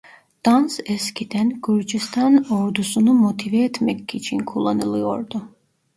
Dans eskiden Gürcistan ordusunu motive etmek için kullanılıyordu.